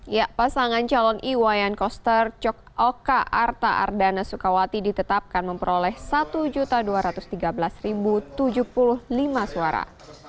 ya pasangan calon iwayan koster cok oka arta ardana sukawati ditetapkan memperoleh satu dua ratus tiga belas tujuh puluh lima suara